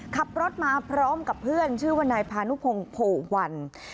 ขับรถมาพร้อมกับเพื่อนชื่อว่านายพานุพงศ์โพวัน